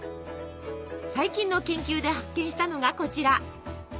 最近の研究で発見したのがこちら。